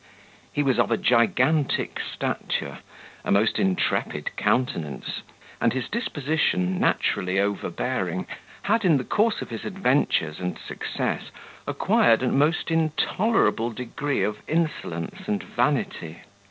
He was of a gigantic stature, a most intrepid countenance; and his disposition, naturally overbearing, had, in the course of his adventures and success, acquired a most intolerable degree of insolence and vanity.